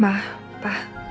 masih sedih ma pa